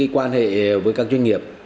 quan hệ với các doanh nghiệp